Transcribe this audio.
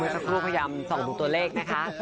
เมื่อท่านพูดพยายามสองบุญตัวเลขนะคะ